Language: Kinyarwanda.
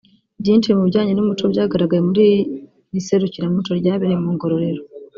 Byinshi mu bijyanye n'umuco byagaragaye muri iri serukiramuco ryabereye mu Ngororero